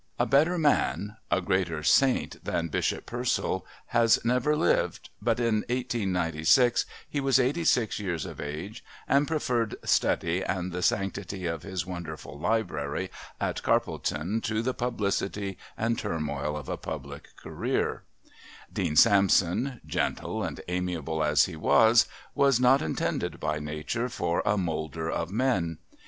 A better man, a greater saint than Bishop Purcell has never lived, but in 1896 he was eighty six years of age and preferred study and the sanctity of his wonderful library at Carpledon to the publicity and turmoil of a public career; Dean Sampson, gentle and amiable as he was, was not intended by nature for a moulder of men.